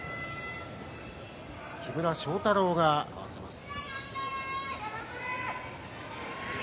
木村庄太郎が合わせます。